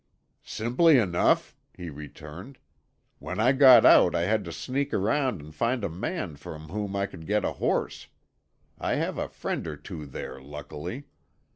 "Simply enough," he returned. "When I got out I had to sneak around and find a man from whom I could get a horse—I have a friend or two there, luckily.